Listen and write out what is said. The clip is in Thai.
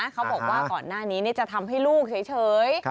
เขาบอกว่าก่อนหน้านี้จะทำให้ลูกเฉย